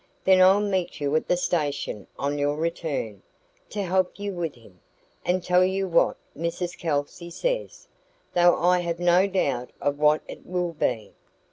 Then I'll meet you at the station on your return, to help you with him, and tell you what Mrs Kelsey says though I have no doubt of what it will be.